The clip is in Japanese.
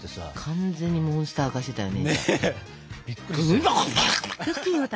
完全にモンスター化してたよね。